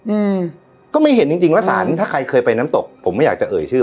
อืมก็ไม่เห็นจริงจริงว่าสารถ้าใครเคยไปน้ำตกผมไม่อยากจะเอ่ยชื่อ